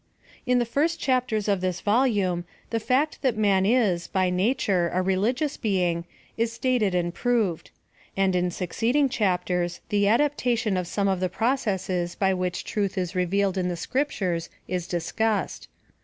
In the first chapters of this volume the fact that man is, by nature, a religious being, is stated and proved ; and in succeeding chapters the adaptation of some of the processes by which truth is revealed in the Scriptures is discussed.